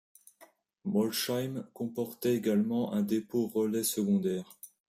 Molsheim comportait également un dépôt-relais secondaire.